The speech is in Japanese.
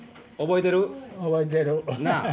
覚えてる。